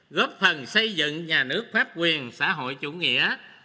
góp phần xây dựng nhà nước pháp quyền xã hội chủ nghĩa